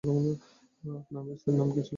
আপনার স্ত্রীর নাম কী ছিল।